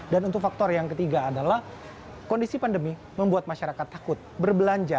dan untuk faktor yang ketiga adalah kondisi pandemi membuat masyarakat takut berbelanja